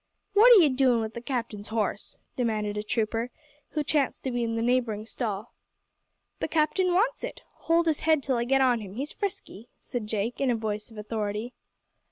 "What are ye doin' wi' the captain's horse?" demanded a trooper, who chanced to be in the neighbouring stall. "The captain wants it. Hold his head till I get on him. He's frisky," said Jake, in a voice of authority.